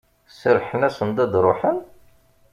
Serrḥen-asen-d ad d-ruḥen?